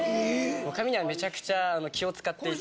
髪にはめちゃくちゃ気を使っていて。